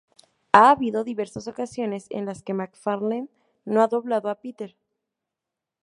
Ha habido diversas ocasiones en las que MacFarlane no ha doblado a Peter.